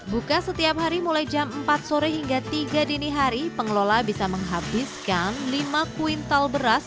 buka setiap hari mulai jam empat sore hingga tiga dini hari pengelola bisa menghabiskan lima kuintal beras